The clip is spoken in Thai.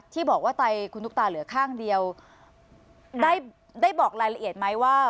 ที่บอกว่าไตคุณตุ๊กตาเหลือข้างเดียวได้ได้บอกรายละเอียดไหมว่า